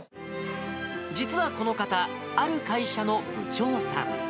実はこの方、ある会社の部長さん。